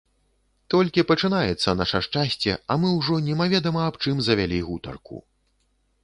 Толькі пачынаецца наша шчасце, а мы ўжо немаведама аб чым завялі гутарку.